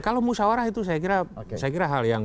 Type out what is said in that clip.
kalau musawarah itu saya kira hal yang